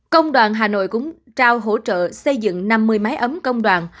công đoàn hà nội cũng trao hỗ trợ xây dựng năm mươi máy ấm công đoàn